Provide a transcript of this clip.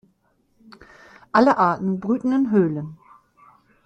Alle Arten brüten in Höhlen.